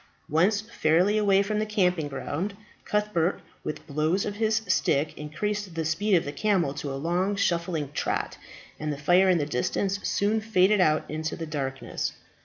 Once fairly away from the camping ground, Cuthbert, with blows of his stick, increased the speed of the camel to a long shuffling trot, and the fire in the distance soon faded out into the darkness.